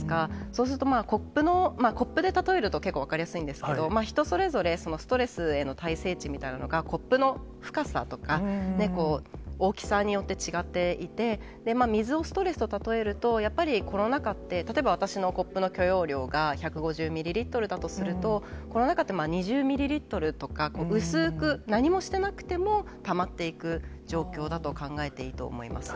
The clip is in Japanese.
そうすると、コップでたとえると結構分かりやすいんですけれども、人それぞれ、ストレスへの耐性値みたいなのがコップの深さとか、大きさによって違っていて、水をストレスとたとえると、やっぱりコロナ禍って、例えば私のコップの許容量が１５０ミリリットルだとすると、コロナ禍って２０ミリリットルとか、薄ーく、何もしてなくてもたまっていく状況だと考えていいと思います。